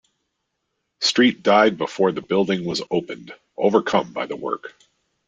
Street died before the building was opened, overcome by the work.